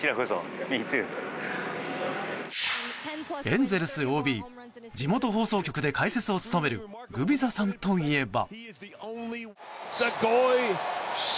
エンゼルスＯＢ、地元放送局で解説を務めるグビザさんといえば。